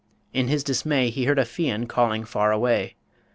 In his dismay He heard a Fian calling far away.